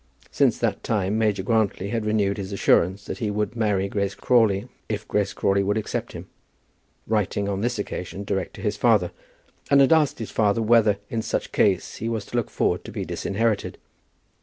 Since that time Major Grantly had renewed his assurance that he would marry Grace Crawley if Grace Crawley would accept him, writing on this occasion direct to his father, and had asked his father whether, in such case, he was to look forward to be disinherited.